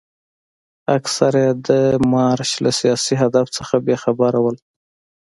اکثره یې د مارش له سیاسي هدف څخه بې خبره وو.